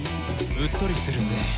「うっとりするぜ」